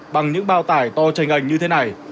bằng những bao tải to tranh ảnh như thế này